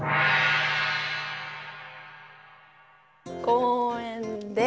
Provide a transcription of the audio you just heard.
「公園で」。